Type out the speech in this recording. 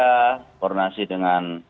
yang berkoronasi dengan